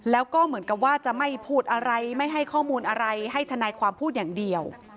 แล้วก็เหมือนกับว่าจะไม่พูดอะไรไม่ให้ข้อมูลอะไรให้ทนายความพูดอย่างเดียว